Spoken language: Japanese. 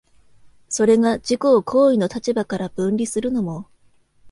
それが自己を行為の立場から分離するのも、